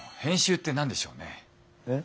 えっ？